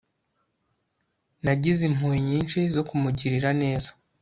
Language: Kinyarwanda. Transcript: nagize impuhwe nyinshi zo kumugirira neza